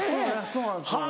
そうなんですよね。